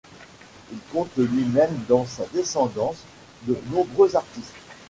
Il compte lui-même dans sa descendance de nombreux artistes.